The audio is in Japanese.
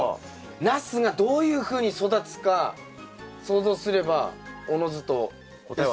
ナスがどういうふうに育つか想像すればおのずと。